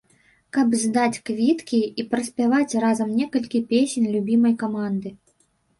Каб здаць квіткі і праспяваць разам некалькі песень любімай каманды.